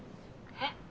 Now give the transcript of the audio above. えっ？